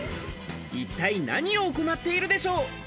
一体何を行っているでしょう？